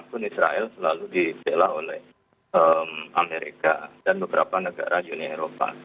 pun israel selalu dibela oleh amerika dan beberapa negara uni eropa